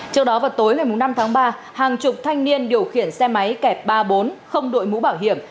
trước đó vào tối ngày năm tháng ba hàng chục thanh niên điều khiển xe máy kẹp ba mươi bốn không đội mũ bảo hiểm